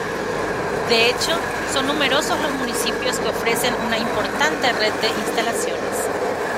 De hecho, son numerosos los municipios que ofrecen una importante red de instalaciones.